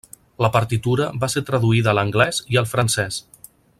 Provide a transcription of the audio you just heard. La partitura va ser traduïda a l'anglès i al francès.